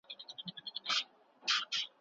خو دلته په هغه موضوعاتو بحث کوو چې ډېر اړین دي،